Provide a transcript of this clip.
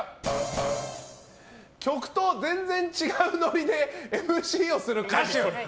曲と全然違うノリでＭＣをする歌手。